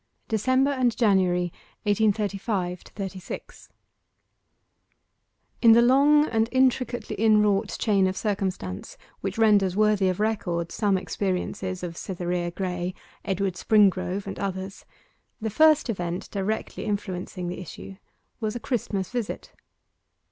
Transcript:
DECEMBER AND JANUARY, 1835 36 In the long and intricately inwrought chain of circumstance which renders worthy of record some experiences of Cytherea Graye, Edward Springrove, and others, the first event directly influencing the issue was a Christmas visit.